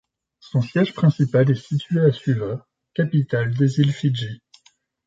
Son siège principal est situé à Suva, capitale des îles Fidji.